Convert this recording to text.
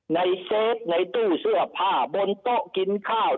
เซฟในตู้เสื้อผ้าบนโต๊ะกินข้าว